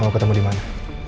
mau ketemu dimana